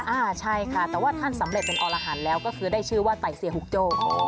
อ่าใช่ค่ะแต่ว่าท่านสำเร็จเป็นอรหันต์แล้วก็คือได้ชื่อว่าไต่เซียฮุกโจ้